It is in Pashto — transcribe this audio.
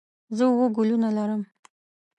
زه اووه ګلونه لرم.